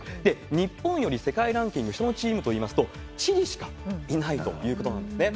日本より世界ランキング下のチームといいますと、チリしかいないということなんですね。